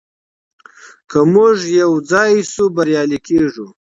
که موږ يو ځای سو بريالي کيږو.